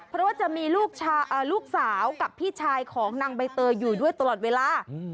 เพราะว่าจะมีลูกสาวกับพี่ชายของนางใบเตยอยู่ด้วยตลอดเวลา